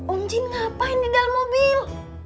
om jin ngapain di dalam mobil